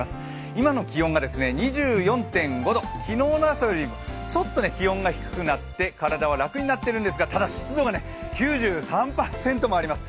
今の気温が２４．５度、昨日の朝よりちょっと気温が低くなって体は楽になっているんですがただ湿度が９３％もあります。